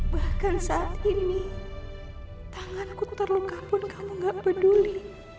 bahkan saat ini tanganku terluka pun kamu gak peduli